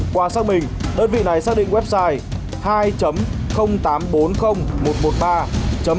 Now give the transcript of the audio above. qua xác minh đơn vị này xác định website